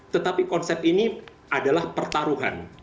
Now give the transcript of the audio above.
tetapi konsep ini adalah pertaruhan